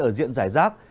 ở diện rải rác